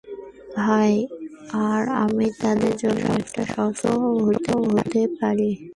ভাই আর আমি তাদের জন্য একটা সহজ খাদ্য হতে পারি।